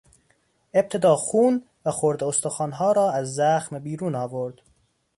ابتدا خون و خرده استخوانها را از زخم بیرون آورد.